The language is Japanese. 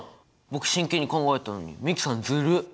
僕真剣に考えたのに美樹さんずるっ！